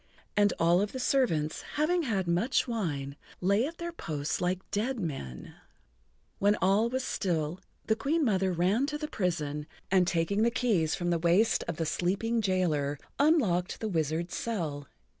And all of the servants, having had much wine, lay at their posts like dead men. [Pg 63]When all was still the Queen Mother ran to the prison, and taking the keys from the waist of the sleeping jailer, unlocked the wizard's cell.